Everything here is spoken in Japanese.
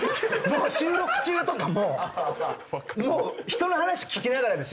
収録中とかも人の話聞きながらですよ。